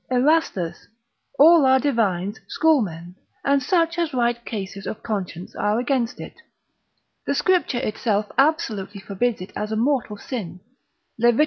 Erastus de Lamiis; all our divines, schoolmen, and such as write cases of conscience are against it, the scripture itself absolutely forbids it as a mortal sin, Levit.